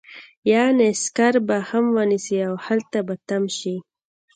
يعنې سکر به هم ونيسي او هلته به تم شي.